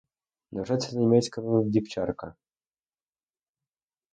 Невже це німецька вівчарка?